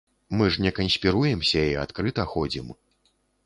Мы ж не канспіруемся і адкрыта ходзім.